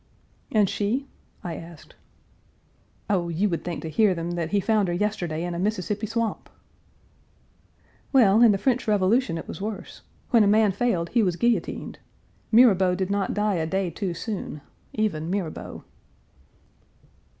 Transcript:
"And she?" I asked. "Oh, you would think to hear them that he found her yesterday in a Mississippi swamp!" "Well, in the French Revolution it was worse. When a man failed he was guillotined. Mirabeau did not die a day too soon, even Mirabeau."